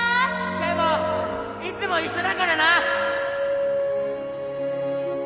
圭吾いつも一緒だからな！